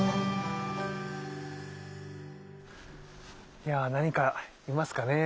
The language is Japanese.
いやぁ何かいますかね。